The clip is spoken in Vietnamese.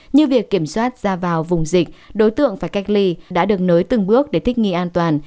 như việc kiểm soát ra vào vùng dịch đối tượng phải cách ly đã được nới từng bước để thích nghi an toàn